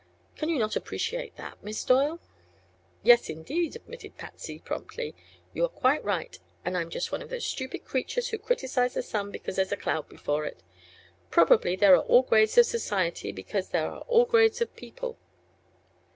Can you not appreciate that, Miss Doyle?" "Yes, indeed," admitted Patsy, promptly. "You're quite right, and I'm just one of those stupid creatures who criticise the sun because there's a cloud before it. Probably there are all grades of society, because there are all grades of people."